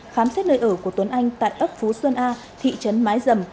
khám xét nơi ở của tuấn anh tại ấp phú xuân a thị trấn mái dầm